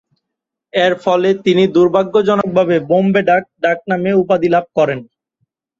এরফলে তিনি দূর্ভাগ্যজনকভাবে ‘বোম্বে ডাক’ ডাকনামে উপাধি লাভ করেন।